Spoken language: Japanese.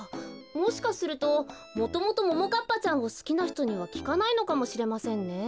もしかするともともとももかっぱちゃんをすきなひとにはきかないのかもしれませんね。